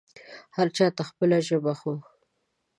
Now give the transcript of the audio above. هر چا ته خپله ژبه خو